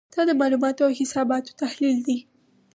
دا د معلوماتو او حساباتو تحلیل دی.